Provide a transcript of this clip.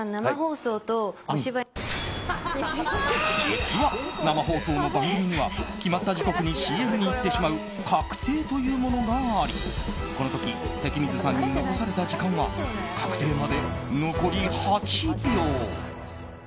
実は生放送の番組には決まった時刻にＣＭにいってしまう確定というものがありこの時関水さんに残された時間は確定まで残り８秒。